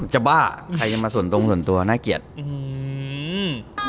จะบ้าใครจะมาส่วนตรงส่วนตัวน่าเกียจ